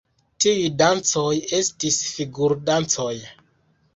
Tiuj dancoj estis figur-dancoj.